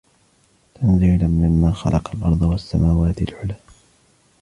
تَنْزِيلًا مِمَّنْ خَلَقَ الْأَرْضَ وَالسَّمَاوَاتِ الْعُلَى